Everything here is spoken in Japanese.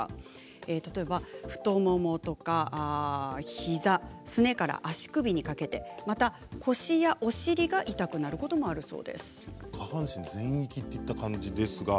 例えば、太ももとか膝すねから足首にかけてまた腰やお尻が痛くなることもあるそうです。